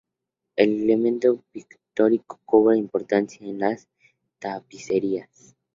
El elemento pictórico cobra importancia en las tapicerías.